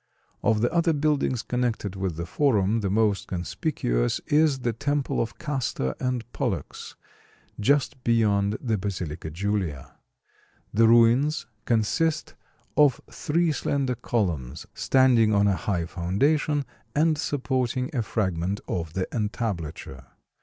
Of the other buildings connected with the Forum the most conspicuous is the temple of Castor and Pollux, just beyond the Basilica Julia. The ruins consist of three slender columns, standing on a high foundation and supporting a fragment of the entablature.